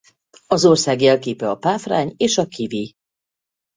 Az ország jelképe a páfrány és a kiwi.